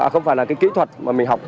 không phải là kỹ thuật mà mình học